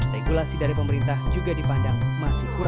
regulasi dari pemerintah juga tidak terlalu berguna